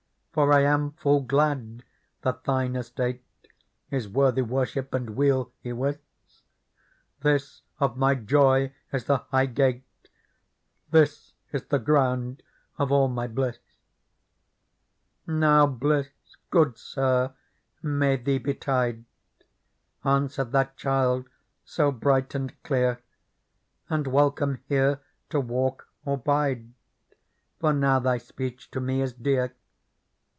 For I am full glad that thine estate Is worthy worship and weal, ywis : This of my joy is the high gate, This is the ground of all my bliss." ^ Care, attention. Digitized by Google 18 PEARL " Now bliss, good sir, may thee betide," Answered that child so bright and clear, '^ And welcome here to walk or bide ; For now thy speech to me is dear.